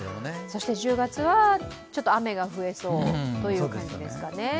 そして１０月は雨が増えそうという感じですかね。